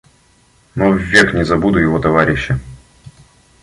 Но ввек не забуду его товарища.